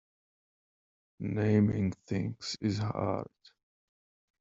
Naming things is hard.